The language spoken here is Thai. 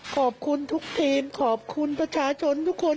ขอบคุณทุกทีมขอบคุณประชาชนทุกคน